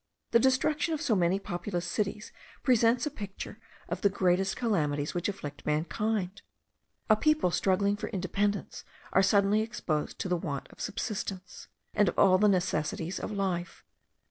The destruction of so many populous cities presents a picture of the greatest calamities which afflict mankind. A people struggling for independence are suddenly exposed to the want of subsistence, and of all the necessaries of life.